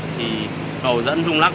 thì cầu dẫn rung lắc